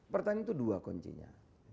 petani itu dua kuncinya